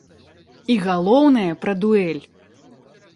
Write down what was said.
І, галоўнае, пра дуэль!